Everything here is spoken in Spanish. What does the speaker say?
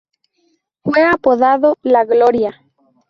Fue apodado "La Gloria".